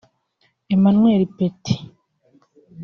Emmanuel Petit